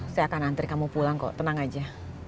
saya akan antri kamu pulang kok tenang aja